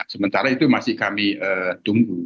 sementara itu masih kami tunggu